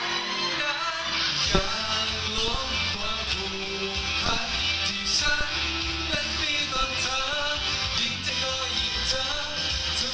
ทำไมต้องรักเธอได้แค่ทั้งใจทำไมนักทำให้